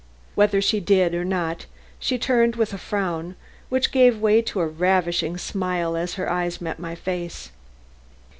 Whether she did or not, she turned with a frown, which gave way to a ravishing smile as her eyes met my face.